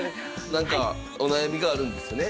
なんかお悩みがあるんですよね？